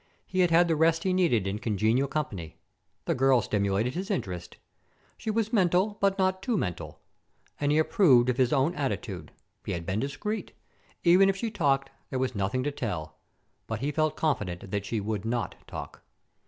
He had had the rest he needed in congenial company. The girl stimulated his interest. She was mental, but not too mental. And he approved of his own attitude. He had been discreet. Even if she talked, there was nothing to tell. But he felt confident that she would not talk.